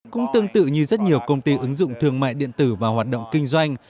cũng tương tự như rất nhiều công ty ứng dụng thương mại điện tử và hoạt động kinh doanh